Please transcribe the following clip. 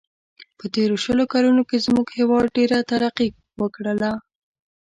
په تېرو شلو کلونو کې زموږ هیواد ډېره ترقي و کړله.